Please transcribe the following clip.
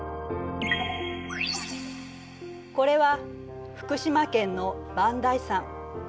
これは福島県の磐梯山。